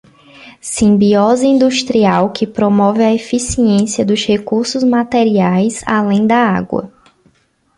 Simbiose industrial que promove a eficiência dos recursos materiais além da água.